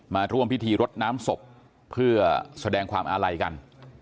มาร่วมพิธีรดน้ำศพเพื่อแสดงความอาลัยกัน